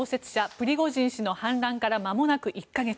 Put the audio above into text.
プリゴジン氏の反乱からまもなく１か月。